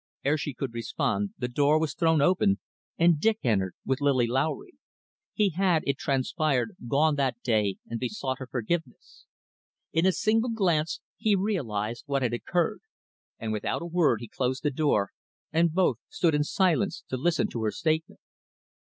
Ere she could respond the door was thrown open, and Dick entered with Lily Lowry. He had, it transpired, gone that day and besought her forgiveness. In a single glance he realised what had occurred, and without a word he closed the door, and both stood in silence to listen to her statement.